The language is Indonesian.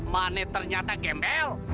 mana ternyata gabel